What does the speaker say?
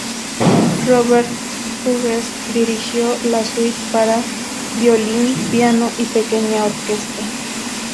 Robert Hughes dirigió la Suite para violín, piano y pequeña orquesta.